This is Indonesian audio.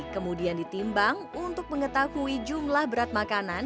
kemudian ditimbang untuk mengetahui jumlah berat makanan